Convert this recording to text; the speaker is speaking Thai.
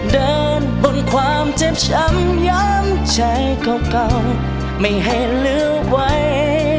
เดินบนความเจ็บช้ำยามใจเก่าไม่ให้เลือกไว้